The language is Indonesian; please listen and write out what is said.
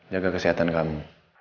jaga kesehatan kamu